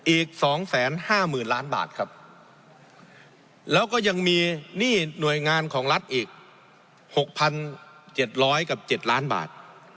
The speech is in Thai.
อีก๒๕๐๐๐ล้านบาทครับแล้วก็ยังมีหนี้หน่วยงานของรัฐอีก๖๗๐๐กับ๗ล้านบาท